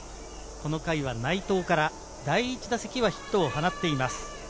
この回は内藤から第１打席はヒットを放っています。